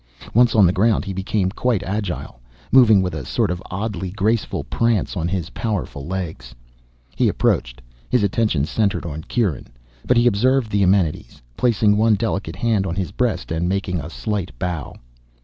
Once on the ground he became quite agile, moving with a sort of oddly graceful prance on his powerful legs. He approached, his attention centered on Kieran. But he observed the amenities, placing one delicate hand on his breast and making a slight bow.